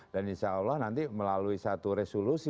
dan insya allah nanti melalui satu resolusi